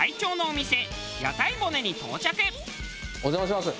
お邪魔します。